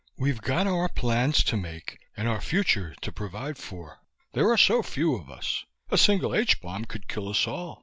We've got our plans to make and our future to provide for. There are so few of us. A single H bomb could kill us all.